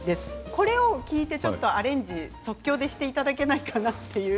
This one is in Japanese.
これを聴いてちょっとアレンジを即興でしていただけないかなという。